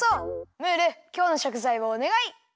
ムールきょうのしょくざいをおねがい！